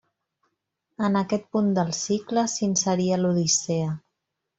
En aquest punt del cicle s'inseria l'Odissea.